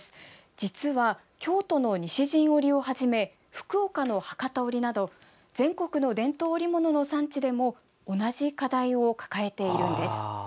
実は、京都の西陣織をはじめ福岡の博多織など全国の伝統織物の産地でも同じ課題を抱えているんです。